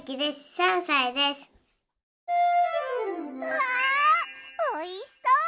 うわおいしそう！